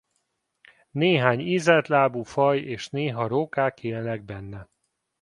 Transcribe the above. Néhány ízeltlábú faj és néha rókák élnek benne.